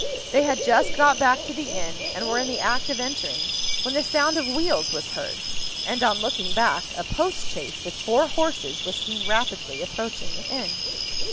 They had just got back to the inn, and were in the act of entering, when the sound of wheels was heard; and on looking back, a post chaise with four horses was seen rapidly approaching the inn.